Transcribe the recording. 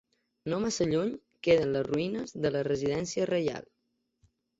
No massa lluny, queden les ruïnes de la residència reial.